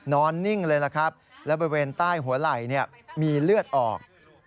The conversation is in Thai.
นิ่งเลยล่ะครับแล้วบริเวณใต้หัวไหล่มีเลือดออก